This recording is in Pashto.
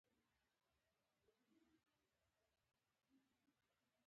زه په ښار کې ژوند کوم.